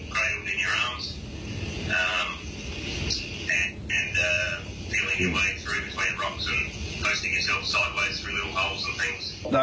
ไปกลางยนต์ถอดห้วกหลีมุง